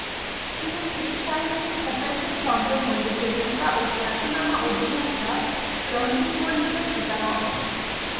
তিনি শিশুসাহিত্যিক উপেন্দ্রচন্দ্র মল্লিকের পিতা ও খ্যাতনামা অভিনেতা রঞ্জিত মল্লিকের পিতামহ।